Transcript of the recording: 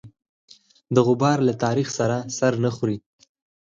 د غبار له تاریخ سره سر نه خوري.